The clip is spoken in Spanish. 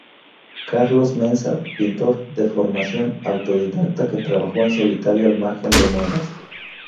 Carlos Mensa, pintor de formación autodidacta que trabajó en solitario al margen de modas.